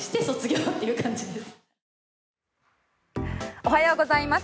おはようございます。